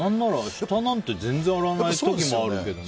下なんて全然洗わない時もあるけどね。